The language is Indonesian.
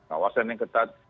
kawasan yang ketat